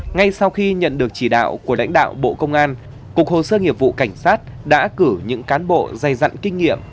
ngay sau khi nhận được chỉ đạo của lãnh đạo bộ công an cục hồ sơ nghiệp vụ cảnh sát đã cử những cán bộ dày dặn kinh nghiệm